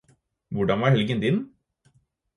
Hvordan var helgen din?